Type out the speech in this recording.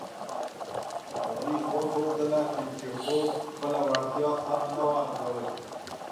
تاریخ وښودله چې چیخوف خپله وړتیا سمه نه وه ارزولې.